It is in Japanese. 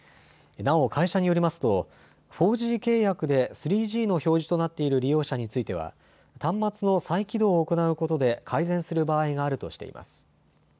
なお、会社によりますと４Ｇ契約で３Ｇの表示となっている利用者については端末の再起動を行うことで改善する場合があるとしています。